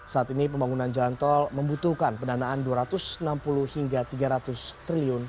saat ini pembangunan jalan tol membutuhkan pendanaan rp dua ratus enam puluh hingga rp tiga ratus triliun